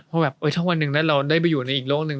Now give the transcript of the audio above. เพราะแบบถ้าวันหนึ่งเราได้ไปอยู่ในอีกโลกหนึ่ง